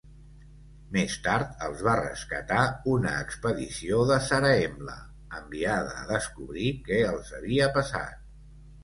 Més tard els var rescatar una expedició de Zarahemla enviada a descobrir què els havia passat.